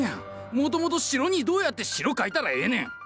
もともと白にどうやって白描いたらええねん！